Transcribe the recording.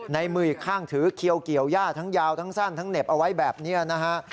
ในมืออีกข้างถือเขียวเกี่ยวย่าทั้งยาวทั้งสั้นทั้งเหน็บเอาไว้แบบนี้นะฮะ